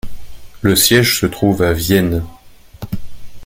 Le siège se trouve à Vienne.